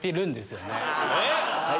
えっ！